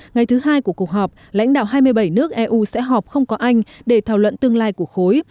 ngày thứ hai của cuộc họp lãnh đạo hai mươi bảy nước eu sẽ họp không có anh để thảo luận tương lai của khối